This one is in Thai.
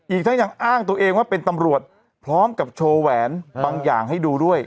อีกทั้งยังอ้างตัวเองว่าเป็นตำรวจพร้อมกับโชว์แหวนบางอย่างให้ดูด้วย